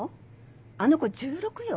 あの子１６よ？